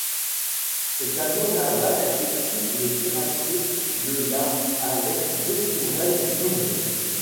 Ce canon naval équipe les cuirassés de la avec deux tourelles doubles.